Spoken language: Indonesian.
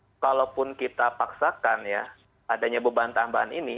nah artinya kan kalau pun kita paksakan adanya beban tambahan ini